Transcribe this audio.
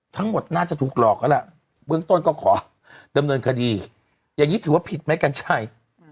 ทั้งหมดน่าจะถูกหลอกแล้วล่ะเบื้องต้นก็ขอดำเนินคดีอย่างนี้ถือว่าผิดไหมกัญชัย